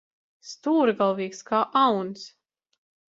Stūrgalvīgs kā auns.